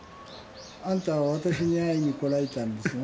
あんたはわたしに会いに来られたんですな。